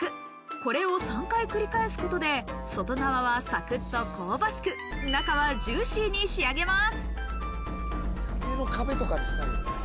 これを３回繰り返すことで、外側はサクッと香ばしく、中はジューシーに仕上げます。